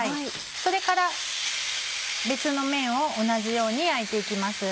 それから別の面を同じように焼いて行きます。